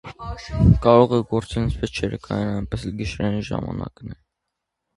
Կարող է գործել ինչպես ցերեկային այնպես էլ գիշերային ժամանակ։